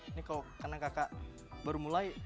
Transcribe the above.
ini kalau karena kakak baru mulai